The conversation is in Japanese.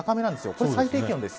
これは、最低気温です。